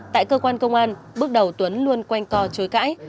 tại cơ quan công an bước đầu tuấn luôn quanh co chối cãi